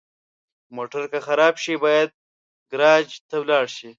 موټر که خراب شي، باید ګراج ته ولاړ شي.